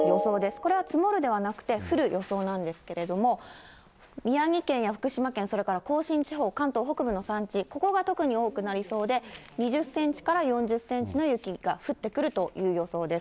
これは積もるではなくて、降る予想なんですけれども、宮城県や福島県、それから甲信地方、関東北部の山地、ここが特に多くなりそうで、２０センチから４０センチの雪が降ってくるという予想です。